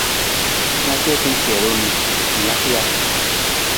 Na tiita kiilung ni, ng laka ja?